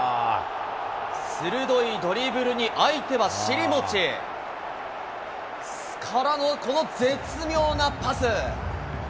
鋭いドリブルに相手は尻もち。からのこの絶妙なパス。